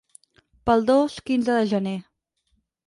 Pel dos-quinze de gener.